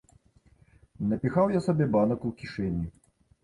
Напіхаў я сабе банак у кішэні.